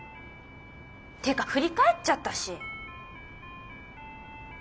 っていうか振り返っちゃったし。